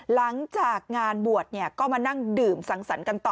หลังจากงานบวชก็มานั่งดื่มสังสรรค์กันต่อ